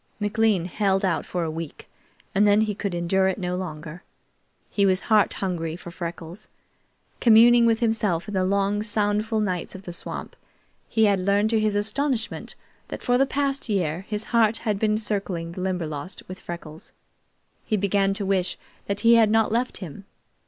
McLean held out for a week, and then he could endure it no longer. He was heart hungry for Freckles. Communing with himself in the long, soundful nights of the swamp, he had learned to his astonishment that for the past year his heart had been circling the Limberlost with Freckles. He began to wish that he had not left him.